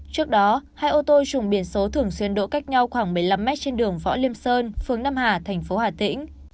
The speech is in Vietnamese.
trước đó hai ô tô trùng biển số thường xuyên đỗ cách nhau khoảng một mươi năm m trên đường võ liêm sơn phương nam hà tp hà tĩnh